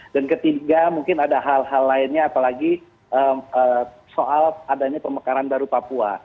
dan ketiga mungkin ada hal hal lainnya apalagi soal adanya pemekaran baru papua